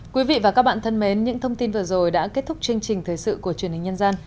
quý vị và các bạn thân mến những thông tin vừa rồi đã kết thúc chương trình thời sự của truyền hình nhân dân